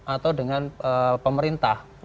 atau dengan pemerintah